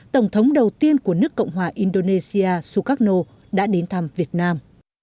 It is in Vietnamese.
tổng thống đầu tiên của nước cộng hòa indonesia sukarno đã đến thăm việt nam